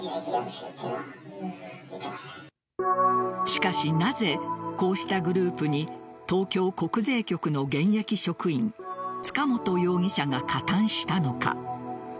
しかし、なぜこうしたグループに東京国税局の現役職員塚本容疑者が加担したのか。